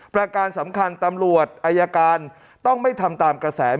การสำคัญตำรวจอายการต้องไม่ทำตามกระแส